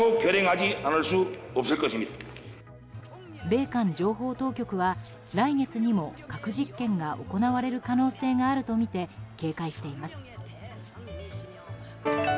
米韓情報当局は来月にも核実験が行われる可能性があるとみて警戒しています。